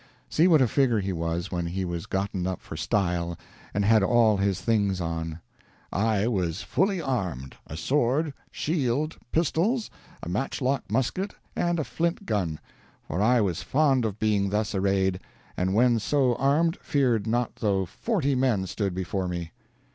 See what a figure he was when he was gotten up for style and had all his things on: "I was fully armed a sword, shield, pistols, a matchlock musket and a flint gun, for I was fond of being thus arrayed, and when so armed feared not though forty men stood before me."